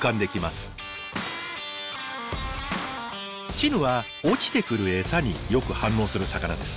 チヌは落ちてくる餌によく反応する魚です。